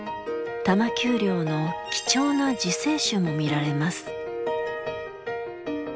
多摩丘陵の貴重な自生種も見られます。